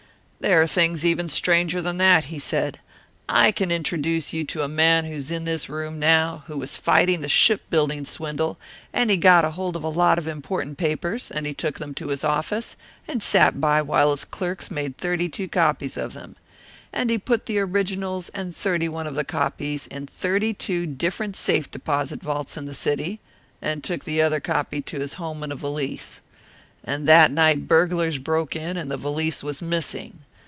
"There are things even stranger than that," he said. "I can introduce you to a man who's in this room now, who was fighting the Ship building swindle, and he got hold of a lot of important papers, and he took them to his office, and sat by while his clerks made thirty two copies of them. And he put the originals and thirty one of the copies in thirty two different safe deposit vaults in the city, and took the other copy to his home in a valise. And that night burglars broke in, and the valise was missing.